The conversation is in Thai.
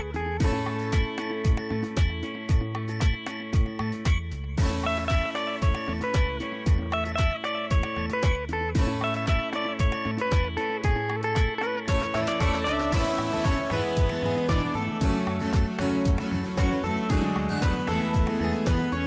ไป